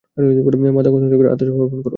মাদক হস্তান্তর করে আত্মসমর্পণ কর।